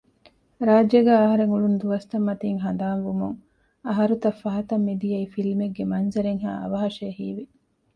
ރާއްޖޭގައި އަހަރެން އުޅުނު ދުވަސްތައް މަތީން ހަނދާން ވުމުން އަހަރުތައް ފަހަތަށް މިދިޔައީ ފިލްމެއްގެ މަންޒަރެއްހައި އަވަހަށޭ ހީވި